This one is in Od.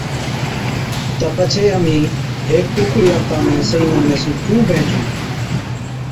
تہ پڇي اَمهِين هيڪ ڪُوڪڙِي آپتان ۾ صحِيح نموني سُون ڪِيُون بيهنچُون؟